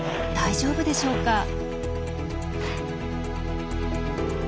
大丈夫でしょうか？